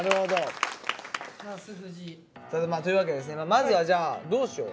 というわけでですねまずはじゃあどうしよう。